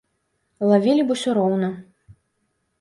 Лавілі б усё роўна.